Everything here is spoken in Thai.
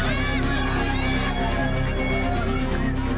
สเตอร์แรฟ